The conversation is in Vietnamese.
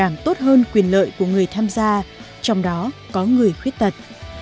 bảo đảm tốt hơn quyền lợi của người tham gia trong đó có người khuyết tật